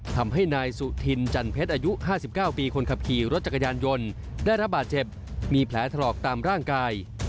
ทำให้นายสุธินจันเพชรอายุ๕๙ปีคนขับขี่รถจักรยานยนต์ได้รับบาดเจ็บมีแผลถลอกตามร่างกาย